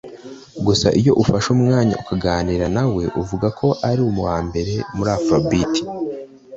gusa iyo ufashe umwanya ukaganira na we avuga ko ari uwambere muri Afrobeat